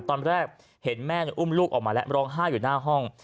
ตอนแรกเห็นแม่อุ้มลูกออกมาแล้วร้องไห้อยู่หน้าห้อง